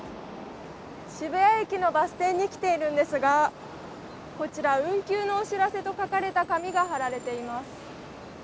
渋谷駅のバス停に来ているんですが、こちら、運休のお知らせと書かれた紙が貼られています。